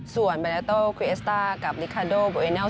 ส่วนเบเนโต้ควีเอสต้ากับลิคาโดบรูเอเนล